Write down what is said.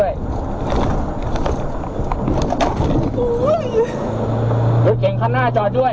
รุ่นเก็บจอดจอดด้วย